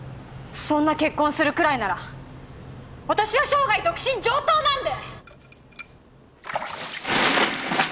そんな結婚するくらいなら私は生涯独身上等なんで！